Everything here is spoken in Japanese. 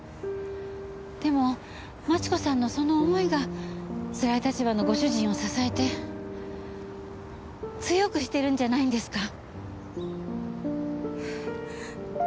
でも万智子さんのその思いがつらい立場のご主人を支えて強くしているんじゃないんですか。